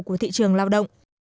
của thị trường lao động